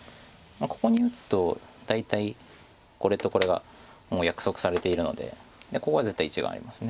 ここに打つと大体これとこれがもう約束されているのでここは絶対１眼あります。